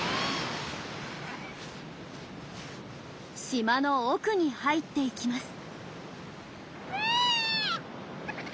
島の奥に入っていきます。